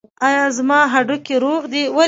ایا زما هډوکي روغ دي؟